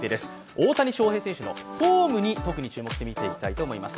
大谷翔平選手のフォームについて特に見ていきたいと思います。